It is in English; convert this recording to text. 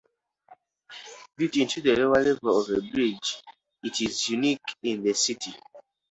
Built into the lower level of a bridge, it is unique in the city.